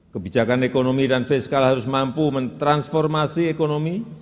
kebijakan ekonomi dan fiskal harus mampu mentransformasi ekonomi